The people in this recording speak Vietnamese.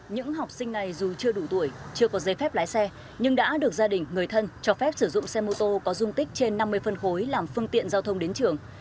những học sinh này dù chưa đủ tuổi chưa có giấy phép lái xe nhưng đã được gia đình người thân cho phép sử dụng xe mô tô có dung tích trên năm mươi phân khối làm phương tiện giao thông đến trường